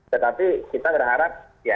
tetapi kita berharap ya